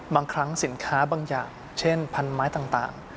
บางครั้งสินค้าบางอย่างเช่นพันไม้ต่าง